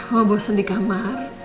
ma bosen di kamar